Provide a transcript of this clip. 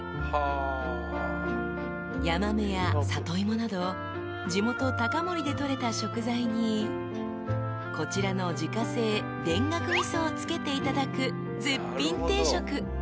［ヤマメやサトイモなど地元高森でとれた食材にこちらの自家製田楽味噌をつけていただく絶品定食］